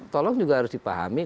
tolong juga harus dipahami